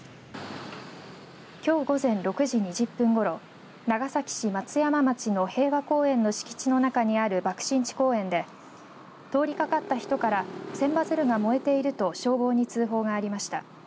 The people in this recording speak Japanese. きょう午前６時２０分ごろ長崎市松山町の平和公園の敷地の中にある爆心地公園で通りかかった人から千羽鶴が燃えていると消防に通報がありました。